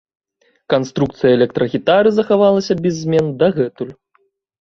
Канструкцыя электрагітары захавалася без змен дагэтуль.